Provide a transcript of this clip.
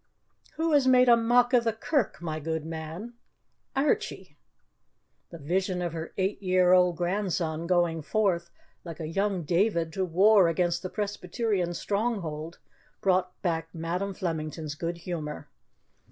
"Who has made a mock of the Kirk, my good man?" "Airchie." The vision of her eight year old grandson going forth, like a young David, to war against the Presbyterian stronghold, brought back Madam Flemington's good humour.